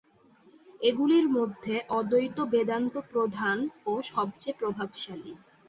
এগুলির মধ্যে অদ্বৈত বেদান্ত প্রধান ও সবচেয়ে প্রভাবশালী।